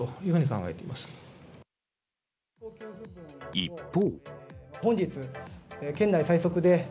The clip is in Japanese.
一方。